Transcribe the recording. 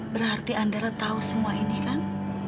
berarti andara tahu semua ini kan